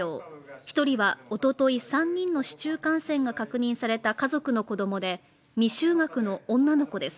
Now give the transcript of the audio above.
１人はおととい、３人の市中感染が確認された家族の子供で、未就学の女の子です。